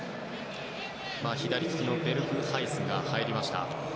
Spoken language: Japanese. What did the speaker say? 左利きのベルフハイスが入りました。